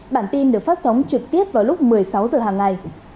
bản tin được phát sóng trực tiếp vào lúc một mươi sáu h hàng ngày